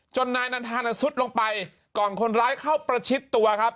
นายนันทานซุดลงไปก่อนคนร้ายเข้าประชิดตัวครับ